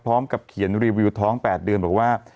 พร้อมกับเขียนรีวิวท้อง๘เดือนบอกว่า